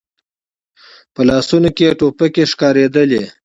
په لاسونو کې يې ټوپکې ښکارېدلې.